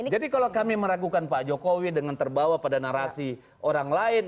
jadi kalau kami meragukan pak jokowi dengan terbawa pada narasi orang lain